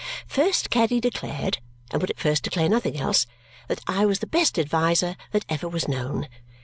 First Caddy declared (and would at first declare nothing else) that I was the best adviser that ever was known.